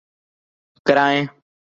Dominica